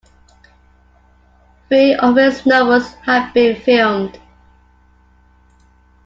Three of his novels have been filmed.